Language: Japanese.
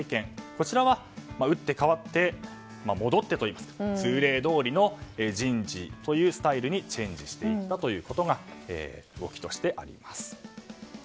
こちらは打って変わって戻ってといいますか通例どおりの人事というスタイルにチェンジしていったということが動きとしてあります。